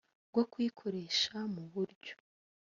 bwo kuyikoresha mu buryo